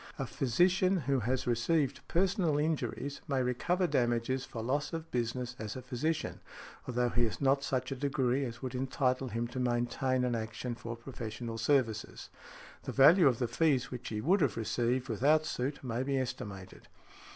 A physician, who has received personal injuries, may recover damages for loss of business as a physician, although he has not such a degree as would entitle him to maintain an action for professional services . The value of the fees which he would have received without suit may be estimated.